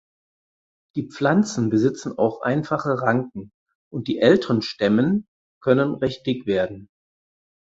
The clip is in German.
Die Pflanzen besitzen auch einfache Ranken und die älteren Stämmen können recht dick werden.